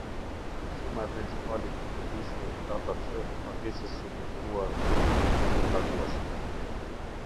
Shuma e Principalit të Kredisë Data c Pagesës së Detyruar së ripagueshme.